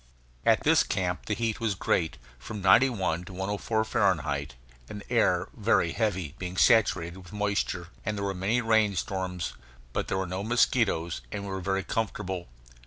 At this camp the heat was great from 91 to 104 Fahrenheit and the air very heavy, being saturated with moisture; and there were many rain storms. But there were no mosquitoes, and we were very comfortable.